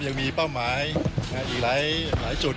ยังมีเป้าหมายอีกหลายจุด